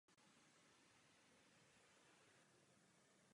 V okolí jezera je rozvinutá turistika.